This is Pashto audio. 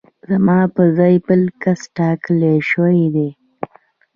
زما په ځای بل کس ټاکل شوی دی